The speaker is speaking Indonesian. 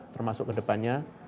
termasuk ke depannya